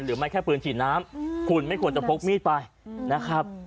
ไม่แค่ปืนฉีดน้ำคุณไม่ควรจะพกมีดไปนะครับ